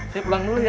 saya pulang dulu ya